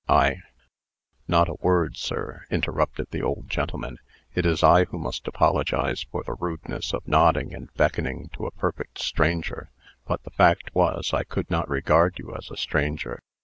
"I " "Not a word, sir," interrupted the old gentleman. "It is I who must apologize for the rudeness of nodding and beckoning to a perfect stranger. But the fact was, I could not regard you as a stranger.